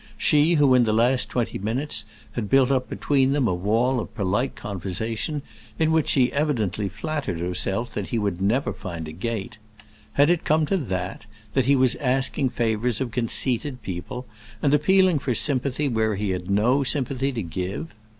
—she who in the last twenty minutes had built up between them a wall of polite conversation in which she evidently flattered herself that he would never find a gate. Had it come to that—that he was asking favors of conceited people, and appealing for sympathy where he had no sympathy to give?